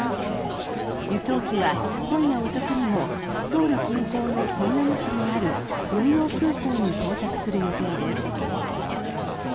輸送機は今夜遅くにもソウル近郊の城南市にある軍用空港に到着する予定です。